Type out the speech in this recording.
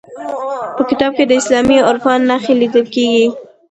په کتاب کې د اسلامي عرفان نښې لیدل کیږي.